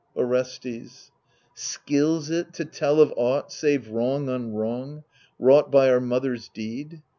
Orestes Skills it to tell of aught save wrong on wrong, Wrought by our mother's deed